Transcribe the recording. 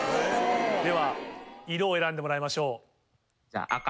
では色を選んでもらいましょう。